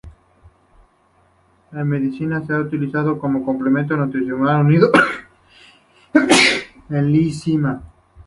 En Medicina se utiliza como complemento nutricional unido a la lisina.